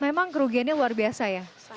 memang kerugiannya luar biasa ya